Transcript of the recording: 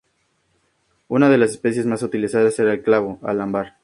Una de las especias más utilizadas eran el clavo, al ámbar...